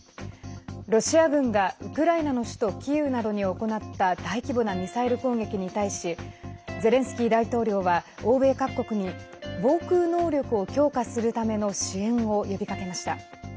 ロシア軍が、ウクライナの首都キーウなどに行った大規模なミサイル攻撃に対しゼレンスキー大統領は欧米各国に防空能力を強化するための支援を呼びかけました。